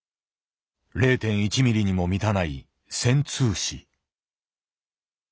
０．１ミリにも満たない穿通枝。